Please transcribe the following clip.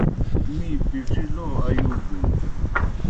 می پِڇی لو ایوگُن۔